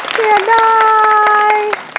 อ๋อเสียดาย